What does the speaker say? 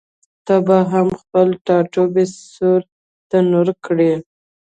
ته به هم خپل ټاټوبی سور تنور کړې؟